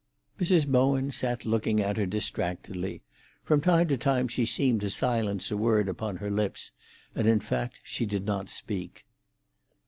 Mrs. Bowen sat looking at her distractedly. From time to time she seemed to silence a word upon her lips, and in fact she did not speak.